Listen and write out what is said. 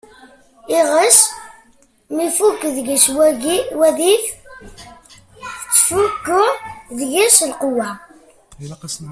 Iɣes ma ifukk deg-s wadif, tettfukku deg-s lqewwa.